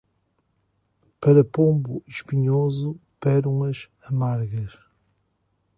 Para pombo espinhoso, pérolas amargas.